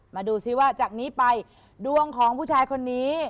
มาดูซิว่าจากนี้ไปดวงของผู้ชายคนนี้